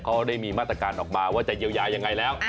เขาได้มีมาตรการออกมาว่าจะเยียวยายังไงแล้ว